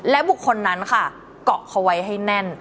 บุคคลนั้นค่ะเกาะเขาไว้ให้แน่น